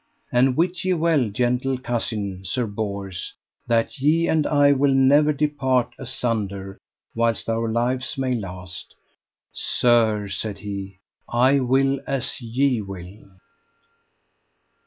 And wit ye well, gentle cousin, Sir Bors, that ye and I will never depart asunder whilst our lives may last. Sir, said he, I will as ye will.